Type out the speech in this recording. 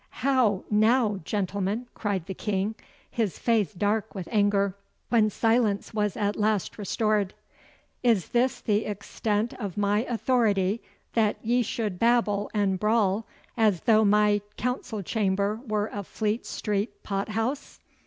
'How now, gentlemen?' cried the King, his face dark with anger, when silence was at last restored. 'Is this the extent of my authority that ye should babble and brawl as though my council chamber were a Fleet Street pot house?